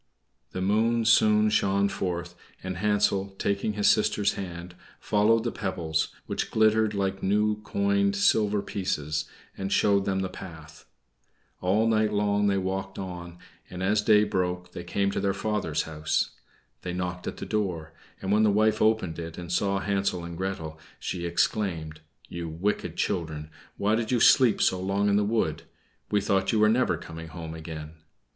The moon soon shone forth, and Hansel, taking his sister's hand, followed the pebbles, which glittered like new coined silver pieces, and showed them the path. All night long they walked on, and as day broke they came to their father's house. They knocked at the door, and when the wife opened it and saw Hansel and Gretel, she exclaimed, "You wicked children! why did you sleep so long in the wood? We thought you were never coming home again."